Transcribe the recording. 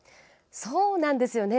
そうなんですよね。